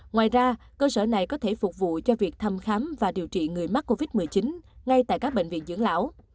ngoài ra cơ sở này có thể phục vụ cho việc thăm khám và điều trị người mắc covid một mươi chín ngay tại các bệnh viện dưỡng lão